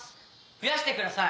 増やしてください。